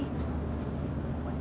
ada apa sih